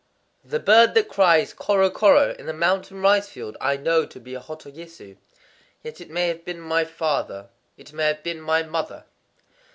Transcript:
_ The bird that cries korokoro in the mountain rice field I know to be a hototogisu;—yet it may have been my father; it may have been my mother.